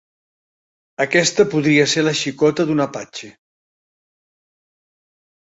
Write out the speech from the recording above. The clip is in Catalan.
Aquesta podria ser la xicota d'un apatxe.